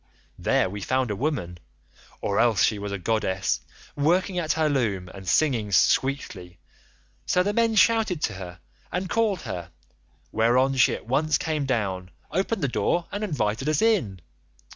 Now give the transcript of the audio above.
There we found a woman, or else she was a goddess, working at her loom and singing sweetly; so the men shouted to her and called her, whereon she at once came down, opened the door, and invited us in.